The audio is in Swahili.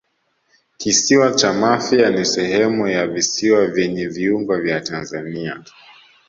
Kisiwa cha Mafia ni sehemu ya visiwa vyenye viungo vya Tanzania